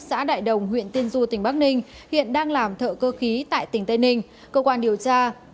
xã đại đồng huyện tiên du tỉnh bắc ninh hiện đang làm thợ cơ khí tại tỉnh tây ninh